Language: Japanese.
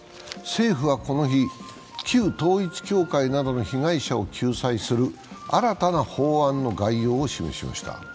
政府はこの日、旧統一教会などの被害者を救済する新たな法案の概要を示しました。